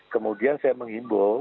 kemudian saya mengimbau